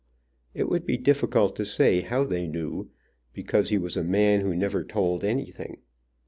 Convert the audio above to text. It would be difficult to say how they knew, because he was a man who never told anything.